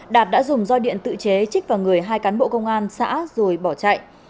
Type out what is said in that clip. đạt đã dùng roi điện tự chế chích vào người hai cán bộ công an xã rồi bỏ chạy